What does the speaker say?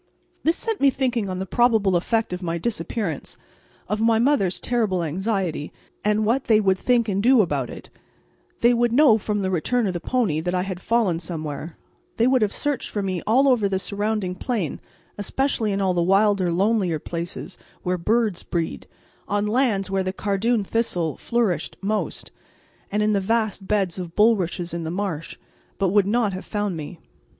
This set me thinking on the probable effect of my disappearance, of my mother's terrible anxiety, and what they would think and do about it They would know from the return of the pony that I had fallen somewhere: they would have searched for me all over the surrounding plain, especially in all the wilder, lonelier places where birds breed; on lands where the cardoon thistle flourished most, and in the vast beds of bulrushes in the marshes, but would not have found me.